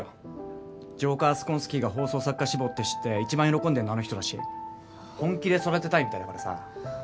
ジョーカー・スコンスキーが放送作家志望って知って一番喜んでるのあの人だし本気で育てたいみたいだからさ。